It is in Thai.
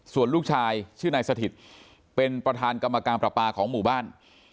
ส่วนลูกชายชื่อนายสถิตเป็นประธานกรรมการประปาของหมู่บ้าน